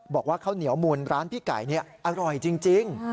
บอกว่าข้าวเหนียวมูลร้านพี่ไก่อร่อยจริง